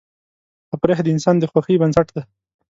تفریح د انسان د خوښۍ بنسټ دی.